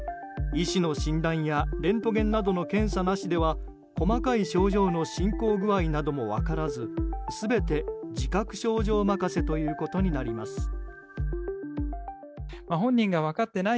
医師の診断やレントゲンなどの検査なしでは細かい症状の進行具合なども分からず全て自覚症状任せということになります。